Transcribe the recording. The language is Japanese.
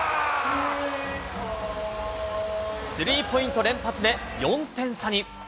スリーポイント連発で４点差に。